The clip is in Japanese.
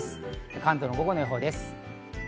関東の午後の予報です。